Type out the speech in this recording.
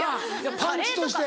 パンチとして。